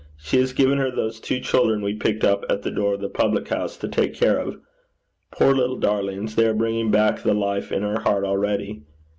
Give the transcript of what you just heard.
She has given her those two children we picked up at the door of the public house to take care of. Poor little darlings! they are bringing back the life in her heart already.